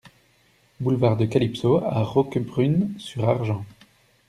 Boulevard de Calypso à Roquebrune-sur-Argens